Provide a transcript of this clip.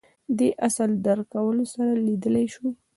دې اصل درک کولو سره لیدلای شو